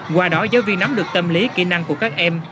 qua đó giáo viên nắm được tâm lý kỹ năng của các em